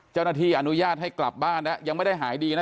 เจ้าหน้าที่อนุญาตให้กลับบ้านนะยังไม่ได้หายดีนะ